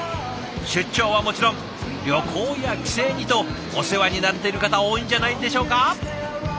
出張はもちろん旅行や帰省にとお世話になってる方多いんじゃないんでしょうか？